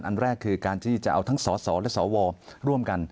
อันแรกคือการที่จะเอาทั้งสสและสวร่วมกัน